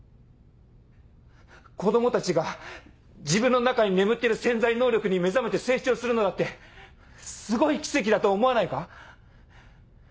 子供たちが自分の中に眠ってる潜在能力に目覚めて成長するのだってすごい奇跡だと思わないか？